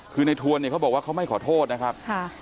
คือในทวนเนี่ยเขาบอกว่าเขาไม่ขอโทษนะครับ